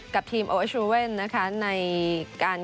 กับทีมโอเชอร์เว่นในการทดสอบประสบการณ์